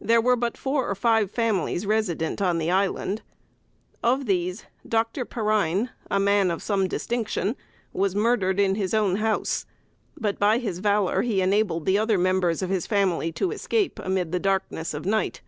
There were but four or five families resident on the island. Of these, Dr. Perrine, a man of some distinction, was murdered in his own house; but, by his valor, he enabled the other members of his family to escape, amid the darkness of night.